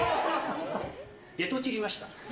出とちりました。